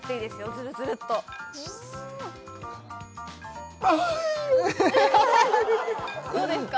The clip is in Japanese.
ズルズルっとあどうですか？